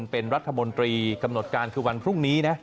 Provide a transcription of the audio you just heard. เป็นรัฐมนตรีกำหนดการคือวันพรุ่งนี้นะ